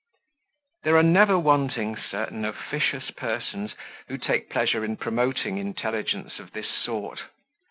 There are never wanting certain officious persons, who take pleasure in promoting intelligence of this sort.